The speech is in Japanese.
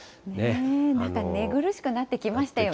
なんか寝苦しくなってきましたよね。